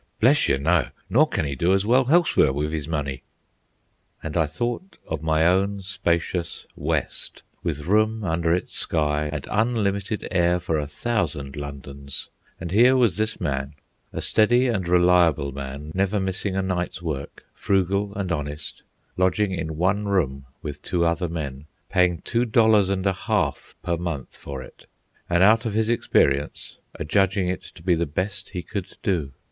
"Bless you, no! Nor can 'e do as well helsewhere with 'is money." And I thought of my own spacious West, with room under its sky and unlimited air for a thousand Londons; and here was this man, a steady and reliable man, never missing a night's work, frugal and honest, lodging in one room with two other men, paying two dollars and a half per month for it, and out of his experience adjudging it to be the best he could do!